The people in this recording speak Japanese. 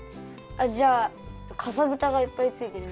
あじゃあかさぶたがいっぱいついてる。